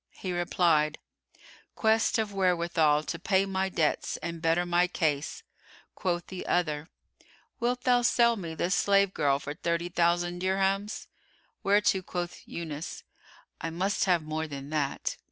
He replied, "Quest of wherewithal to pay my debts and better my case." Quoth the other, "Wilt thou sell me this slave girl for thirty thousand dirhams?" Whereto quoth Yunus, "I must have more than that."